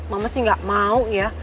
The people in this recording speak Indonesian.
mama sih gak mau ya